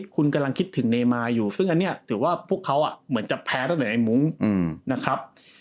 คุณกำลังคิดถึงเนมาอยู่ซึ่งอันนี้ถือว่าพวกเขาเหมือนจะแพ้ตั้งแต่ในมุ้งนะครับ